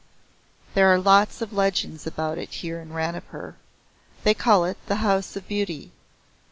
There are lots of legends about it here in Ranipur. They call it The House of Beauty.